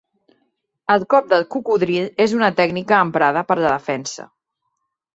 El cop del cocodril és una tècnica emprada per la defensa.